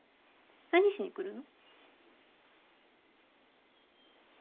何しに来るの？